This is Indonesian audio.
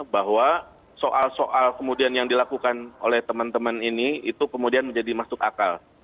bahwa soal soal kemudian yang dilakukan oleh teman teman ini itu kemudian menjadi masuk akal